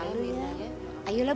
bapak ibu mau ke rumah